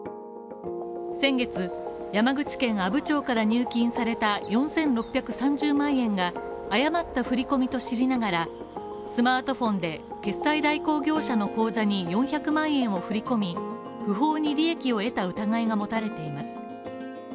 先月、山口県阿武町から入金された４６３０万円が誤った振込みと知りながらスマートフォンで決済代行業者の口座に４００万円を振り込み、不法に利益を得た疑いが持たれています。